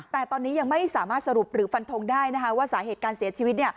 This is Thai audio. แต่ตอนนี้ยังไม่สามารถสรุปหรือฟันทงได้นะคะว่าสาเหตุการเสียชีวิต